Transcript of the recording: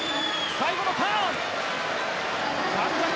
最後のターン！